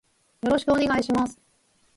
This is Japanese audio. よろしくお願いします。